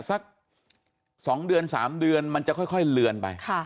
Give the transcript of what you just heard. สัก๒เดือน๓เดือนมันจะค่อยเลือนไป